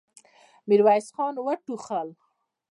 ميرويس خان وټوخل.